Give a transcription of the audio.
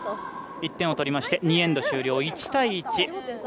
１点を取りまして２エンド終了、１対１。